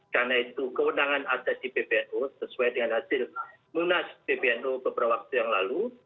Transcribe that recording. karena itu kewenangan ada di ppno sesuai dengan hasil munas ppno beberapa waktu yang lalu